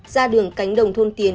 ra đường cánh đồng thôn hải dương